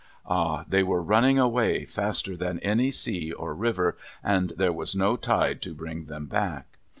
Ah ! They were running away, faster than any sea or river, and there was no tide to bring them back.